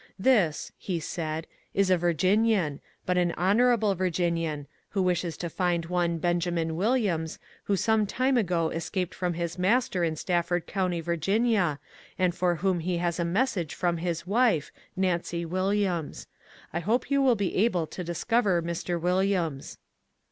This," he said, ^^ is a Virgin ian, but an honourable Virginian, who wishes to find one Benjamin Williams, who some time ago escaped from his master in Stafford County, Va., and for whom he has a mes sage from his wife, Nancy Williams. I hope you will be able to discover Mr. Williams."